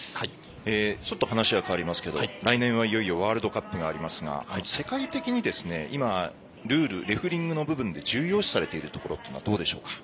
話は変わりますが来年はいよいよワールドカップがありますが今、ルールレフェリングの部分で重要視されているところはどこでしょうか？